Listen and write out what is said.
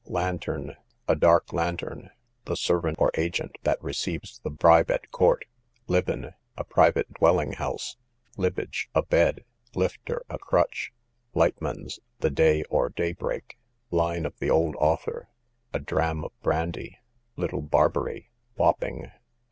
Lantern. A dark lantern, the servant or agent that receives the bribe at court. Libben, a private dwelling house. Libbege, a bed. Lifter, a crutch. Lightmans, the day, or day break. Line of the old author, a dram of brandy. Little Barbary, Wapping.